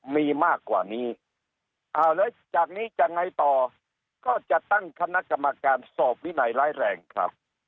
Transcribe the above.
มีมากกว่านี้แล้วจากนี้จะไงต่อก็จะตั้งคณะกรรมการสอบวินัยร้ายแรงครับ